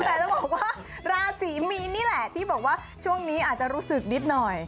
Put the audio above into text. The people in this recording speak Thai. แต่จะบอกว่าราศีมีนนี่แหละที่บอกว่าช่วงนี้อาจจะรู้สึกนิดหน่อย